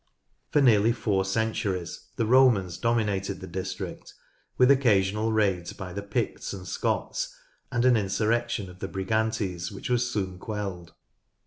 For nearly four centuries the Romans dominated the district, with occa sional raids by the Picts and Scots, and an insurrection of the Brigantes which was soon quelled.